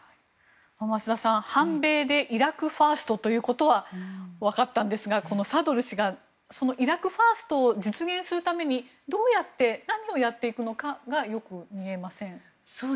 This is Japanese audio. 増田さん、反米でイラク・ファーストということは分かったんですが、サドル師がこのイラク・ファーストを実現するためにどうやって、何をやっていくかがよく見えません。